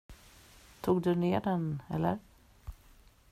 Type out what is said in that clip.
Tog du ner den eller?